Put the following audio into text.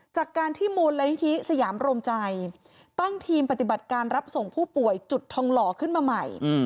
จากการที่มูลนิธิสยามโรมใจตั้งทีมปฏิบัติการรับส่งผู้ป่วยจุดทองหล่อขึ้นมาใหม่